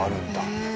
へえ。